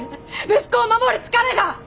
息子を守る力が！